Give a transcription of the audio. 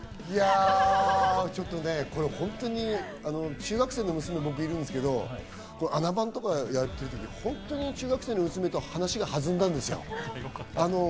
中学生の娘が僕いるんですけど、『あな番』とかやってるとき、本当に中学生の娘と話が弾んだんです。